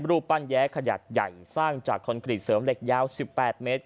รูปปั้นแย้ขนาดใหญ่สร้างจากคอนกรีตเสริมเหล็กยาว๑๘เมตร